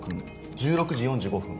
１６時４５分。